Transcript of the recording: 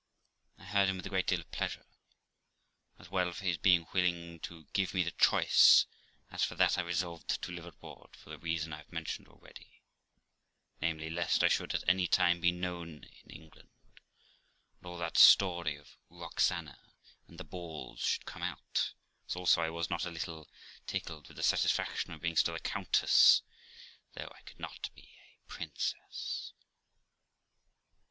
I heard him with a great deal of pleasure, as well for his being willing to give me the choice as for that I resolved to live abroad, for the reason I have mentioned already, namely, lest I should at any time be known in England, and all that story of Roxana and the balls should come out; as also I was not a little tickled with the satisfaction of being still a countess, though I could not be a princess.